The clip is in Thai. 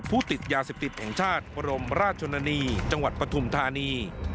ผู้ติดยาศิษย์ติดแห่งชาติพระรมราชชนานีจังหวัดปฐุมธานี